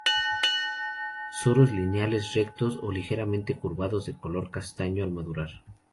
Soros lineales, rectos o ligeramente curvados, de color castaño al madurar.